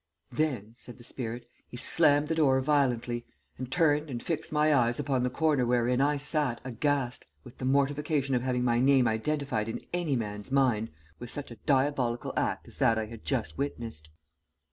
"Then," said the spirit, "he slammed the door violently and turned and fixed my eyes upon the corner wherein I sat aghast with the mortification of having my name identified in any man's mind with such a diabolical act as that I had just witnessed.